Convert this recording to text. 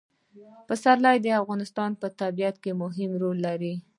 پسرلی د افغانستان په طبیعت کې مهم رول لري.